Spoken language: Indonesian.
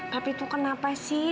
tapi itu kenapa sih